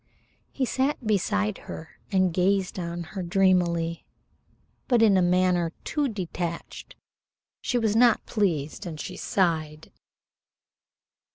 He sat beside her and gazed on her dreamily, but in a manner too detached. She was not pleased, and she sighed.